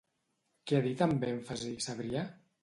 Què ha dit amb èmfasi Sabrià?